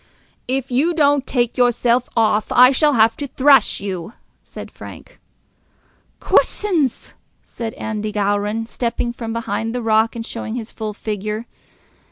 "If you don't take yourself off, I shall have to thrash you," said Frank. "Coosins!" said Andy Gowran, stepping from behind the rock and showing his full figure.